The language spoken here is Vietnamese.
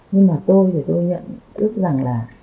nhưng mà tôi thì tôi nhận ước rằng là